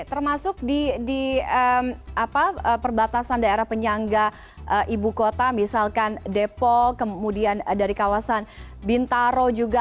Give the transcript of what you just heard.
termasuk di perbatasan daerah penyangga ibu kota misalkan depok kemudian dari kawasan bintaro juga